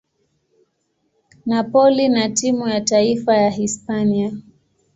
Napoli na timu ya taifa ya Hispania.